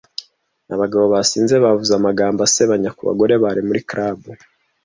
Abagabo basinze bavuze amagambo asebanya ku bagore bari muri club.